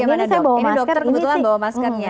ini dokter kebetulan bawa maskernya